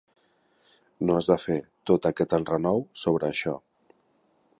No has de fer tot aquest enrenou sobre això.